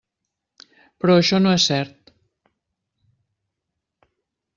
Però això no és cert.